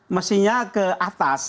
mestinya ke atas